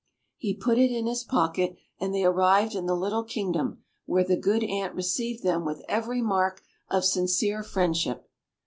He put it in his pocket, and they arrived in the little kingdom, where the good Ant received them with every mark of sincere friendship.